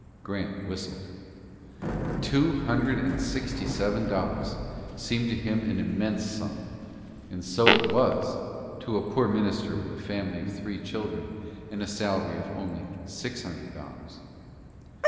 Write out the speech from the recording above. Grant whistled. Two hundred and sixty seven dollars seemed to him an immense sum, and so it was, to a poor minister with a family of three children and a salary of only six hundred dollars.